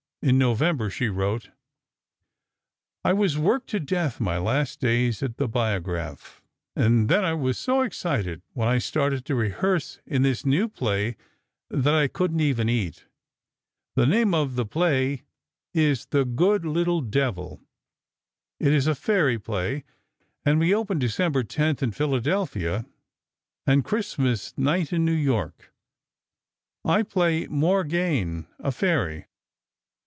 In November she wrote: I was worked to death my last days at the Biograph, and then I was so excited when I started to rehearse in this new play that I couldn't even eat. The name of the play is "The Good Little Devil." It is a fairy play, and we open December 10, in Phila. and Xmas night in N. Y. I play Morgane, a fairy....